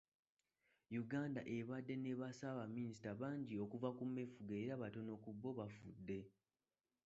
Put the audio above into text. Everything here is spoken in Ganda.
Uganda ebadde ne bassaabaminisita bangi okuva ku meefuga era abatono ku bo bafudde.